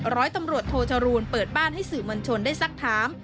ร้อยตำรวจโทจรูลเปิดบ้านให้สื่อมวลชนได้สักถาม